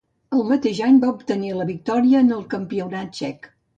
El mateix any va obtenir la victòria en el Campionat Txec.